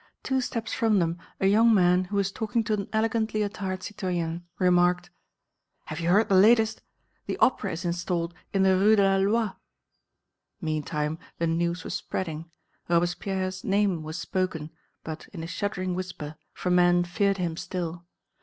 Two steps from them a young man, who was talking to an elegantly attired citoyenne, remarked: "Have you heard the latest?... The Opera is installed in the Rue de la Loi." Meantime the news was spreading; Robespierre's name was spoken, but in a shuddering whisper, for men feared him still.